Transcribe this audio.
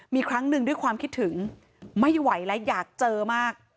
มีครั้งหนึ่งด้วยความคิดถึงไม่ไหวและอยากเจอมาก